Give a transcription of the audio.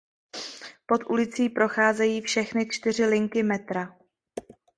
Pod ulicí procházejí všechny čtyři linky metra.